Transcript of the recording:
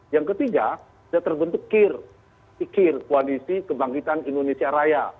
yang ketiga sudah terbentuk kir kualisi kebangkitan indonesia raya